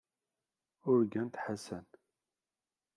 Urgant Ḥasan.